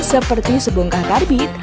seperti sebongkah karbi